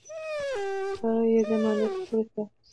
هغه یې د مالیې په توګه ترې اخیستل.